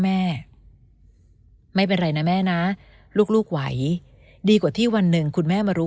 แม่ไม่เป็นไรนะแม่นะลูกไหวดีกว่าที่วันหนึ่งคุณแม่มารู้